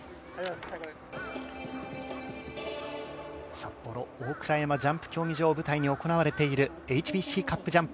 札幌・大倉山ジャンプ競技場を舞台に行われているＨＢＣカップジャンプ。